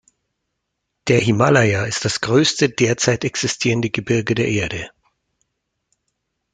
Der Himalaya ist das größte derzeit existierende Gebirge der Erde.